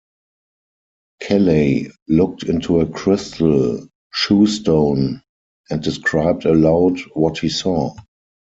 Kelley looked into a crystal "shewstone" and described aloud what he saw.